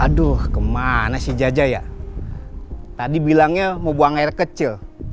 aduh kemana sih jajaya tadi bilangnya mau buang air kecil